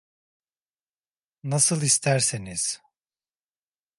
Nasıl isterseniz.